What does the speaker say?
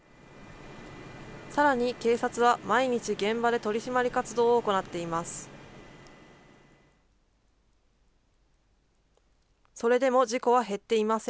さらに警察は、毎日現場で取締り活動を行っています。